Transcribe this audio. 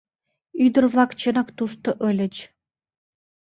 Ӱдыр-влак чынак тушто ыльыч.